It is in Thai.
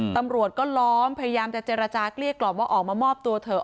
ตำรวจก็ล้อมพยายามจะเจรจาเกลี้ยกล่อมว่าออกมามอบตัวเถอะ